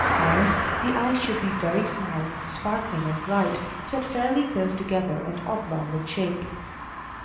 EYES The eyes should be very small, sparkling, and bright, set fairly close together and oblong in shape.